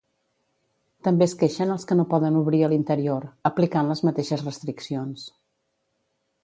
També es queixen els que no poden obrir a l'interior, aplicant les mateixes restriccions.